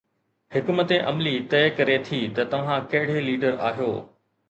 حڪمت عملي طئي ڪري ٿي ته توهان ڪهڙي ليڊر آهيو.